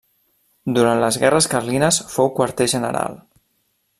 Durant les guerres carlines fou quarter general.